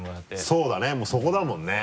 そうだねもうそこだもんね。